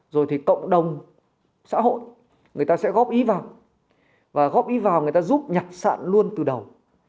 rồi thì cộng đồng xã hội người ta sẽ góp ý vào và góp ý vào người ta giúp nhặt sạn luôn từ đầu